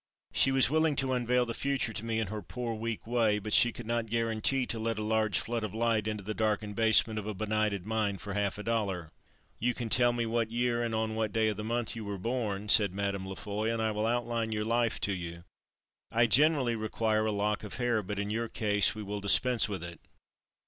She was willing to unveil the future to me in her poor, weak way, but she could not guarantee to let a large flood of light into the darkened basement of a benighted mind for half a dollar. "You can tell me what year and on what day of the month you were born," said Mme. La Foy, "and I will outline your life to you. I generally require a lock of the hair, but in your case we will dispense with it."